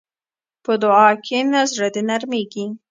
په دعا کښېنه، زړه دې نرمېږي.